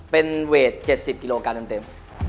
เป็นเวท๗๐กิโลกรัมเต็ม